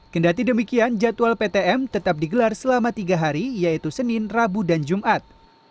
kendati demikian jadwal ptm tetap digelar selama tiga hari yaitu senin rabu dan jumat